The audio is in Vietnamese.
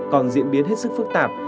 còn diễn biến hết sức phức tạp